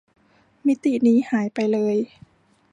มิตินี้หายไปเลย